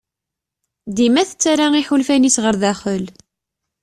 Dima tettarra iḥulfan-is ɣer daxel.